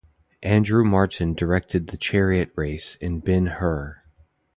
Andrew Marton directed the chariot-race in "Ben-Hur".